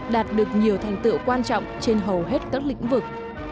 đạt được nhiều thành tựu quan trọng trên hầu hết các lĩnh vực